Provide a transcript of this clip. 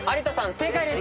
正解です！